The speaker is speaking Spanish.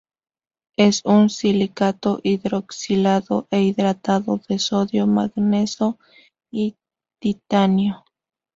Es un silicato hidroxilado e hidratado de sodio, manganeso y titanio.